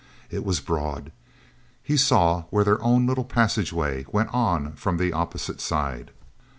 It was broad. He saw where their own little passageway went on from the opposite side.